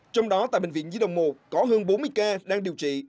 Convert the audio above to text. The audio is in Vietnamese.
trong đó tại bệnh viện di đồng một có hơn bốn mươi ca đang điều trị